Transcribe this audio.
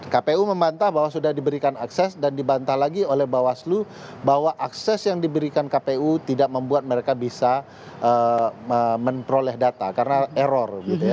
kpu membantah bahwa sudah diberikan akses dan dibantah lagi oleh bawaslu bahwa akses yang diberikan kpu tidak membuat mereka bisa memperoleh data karena error